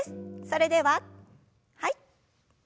それでははい。